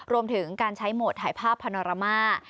รวมถึงการใช้โหมดถ่ายภาพพานอรมา